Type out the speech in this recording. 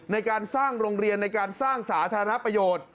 ในการสร้างโรงเรียนในการสร้างสาธารณประโยชน์